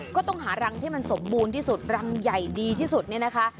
ก็ต้องหารังที่มันสมบูรณ์ที่สุดรังใหญ่ดีที่สุดเนี่ยนะคะ